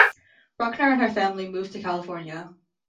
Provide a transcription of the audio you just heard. Bruckner and her family moved to California.